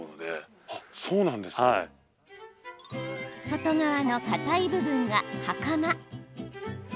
外側のかたい部分が、はかま。